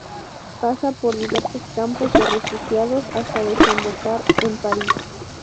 Pasa por diversos campos de refugiados hasta desembocar en París.